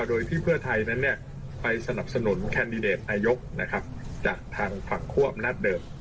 โดยที่เพื่อไทยนั้นไปสนับสนุนแคนดิเดตนายกจากทางฝั่งคั่วอำนาจเดิม